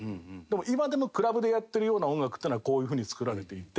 今でもクラブでやっているような音楽っていうのはこういうふうに作られていて。